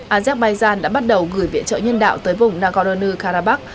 azek bayzan đã bắt đầu gửi viện trợ nhân đạo tới vùng nagorno karabakh